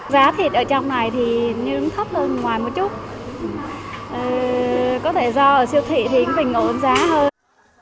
giá thịt ở trong này thì nhưng thấp hơn ngoài một chút có thể do ở siêu thị thì bình ổn giá hơn